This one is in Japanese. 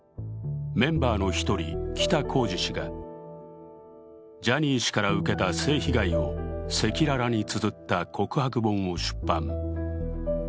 メンバーの１人、北公次氏がジャニー氏から受けた性被害を赤裸々につづった告白本を出版。